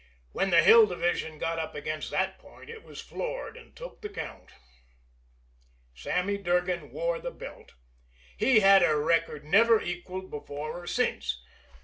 When the Hill Division got up against that point it was floored and took the count. Sammy Durgan wore the belt. He held a record never equalled before or since.